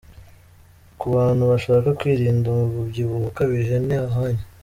Ku bantu bashaka kwirinda umubyibuho ukabije ni ahanyu.